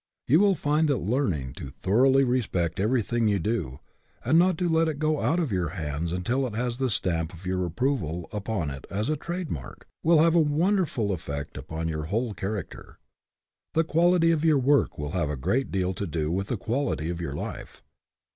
You will find that learning to thoroughly respect everything you do, and not to let it go out of your hands until it has the stamp of your approval upon it as a trade mark, will have a wonderful effect upon your whole character. The quality of your work will have a great deal to do with the quality of your life.